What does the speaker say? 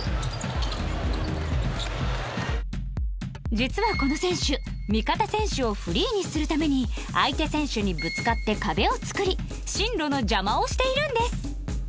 実はこの選手味方選手をフリーにするために相手選手にぶつかって壁を作り進路の邪魔をしているんです